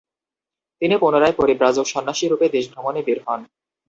তিনি পুনরায় পরিব্রাজক সন্ন্যাসীরূপে দেশভ্রমণে বের হন।